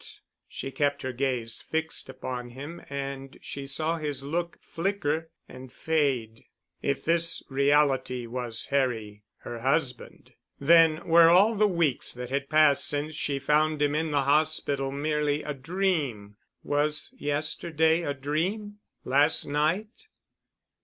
She kept her gaze fixed upon him and she saw his look flicker and fade. If this reality was Harry, her husband, then were all the weeks that had passed since she found him in the hospital merely a dream, was yesterday a dream—last night?